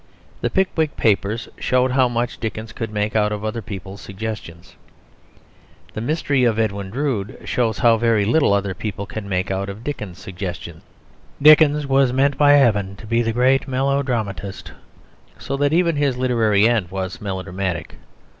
The Pickwick Papers showed how much Dickens could make out of other people's suggestions; The Mystery of Edwin Drood shows how very little other people can make out of Dickens's suggestions. Dickens was meant by Heaven to be the great melodramatist; so that even his literary end was melodramatic.